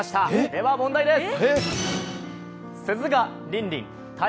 では、問題です！